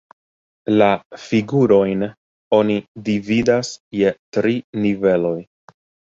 La figurojn oni dividas je tri niveloj.